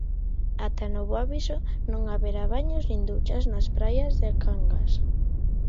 Ata novo aviso non haberá baños nin duchas nas praias de Cangas.